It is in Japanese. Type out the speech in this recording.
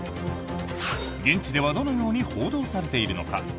現地ではどのように報道されているのか？